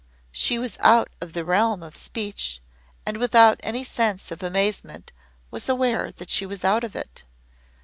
She was out of the realm of speech, and without any sense of amazement was aware that she was out of it.